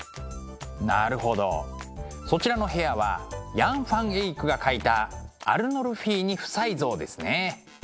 なるほどそちらの部屋はヤン・ファン・エイクが描いた「アルノルフィーニ夫妻像」ですね。